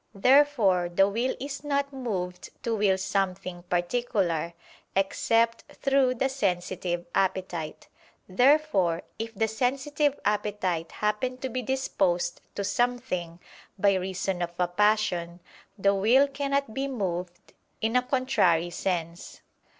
Therefore the will is not moved to will something particular, except through the sensitive appetite. Therefore, if the sensitive appetite happen to be disposed to something, by reason of a passion, the will cannot be moved in a contrary sense.